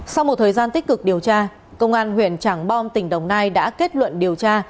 sau một thời gian tích cực điều tra công an huyện trảng bom tỉnh đồng nai đã kết luận điều tra